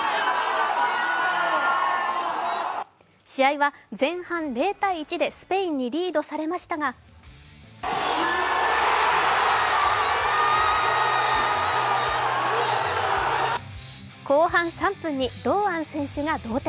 試合は前半０−１でスペインにリードされましたが後半３分に堂安選手が同点。